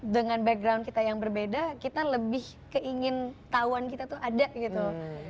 dengan background kita yang berbeda kita lebih keingin tahuan kita tuh ada gitu